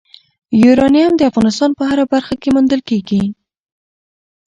یورانیم د افغانستان په هره برخه کې موندل کېږي.